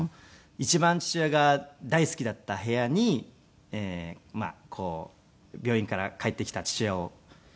一番父親が大好きだった部屋にまあ病院から帰ってきた父親を。